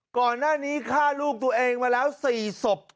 ก่อนหน้านี้ฆ่าลูกตัวเองมาแล้ว๔ศพ